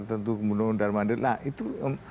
tentu kebunuh undar mandir nah itu